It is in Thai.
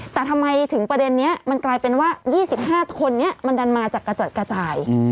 แต่ทำไมถึงประเด็นนี้มันกลายเป็นว่า๒๕คนนี้มันดันมาจากกระจัดกระจาย